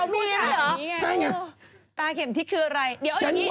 เมื่อวานเราพูดถัดอย่างนี้ไง